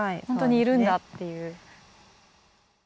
本当にいるんだっていう。